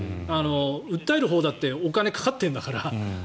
訴えるほうだってお金がかかってるんだから。